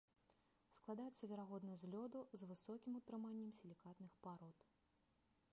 Складаецца верагодна з лёду з высокім утрыманнем сілікатных парод.